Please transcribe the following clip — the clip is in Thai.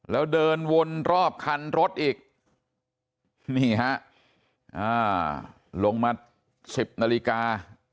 แล้วเดินวนรอบคันรถอีกนี่ฮะอ่าลงมา๑๐นาฬิกา